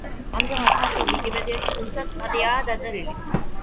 ამჟამად ქართულ ვიკიპედიაში ზუსტად სტატიაა დაწერილი.